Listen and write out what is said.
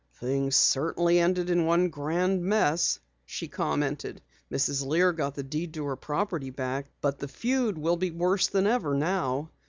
"Things certainly ended in one grand mess," she commented. "Mrs. Lear got the deed to her property back, but the feud will be worse than ever now.